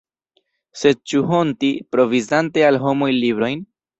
Sed ĉu honti, provizante al homoj librojn?